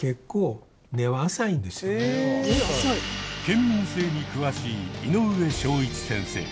県民性に詳しい井上章一先生。